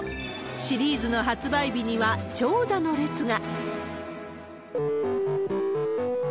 シリーズの発売日には長蛇の列が。